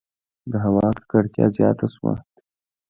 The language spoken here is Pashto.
• د هوا ککړتیا زیاته شوه.